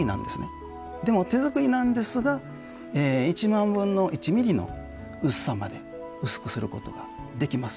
でも手作りなんですが１万分の１ミリの薄さまで薄くすることができます。